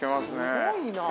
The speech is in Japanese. すごいな。